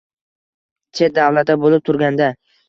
Chet davlatda bo‘lib turganda